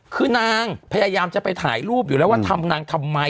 คือนางพยายามจะไปถ่ายรูปอยู่แล้วว่าทำนางทำไม